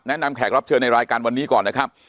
แขกรับเชิญในรายการวันนี้ก่อนนะครับ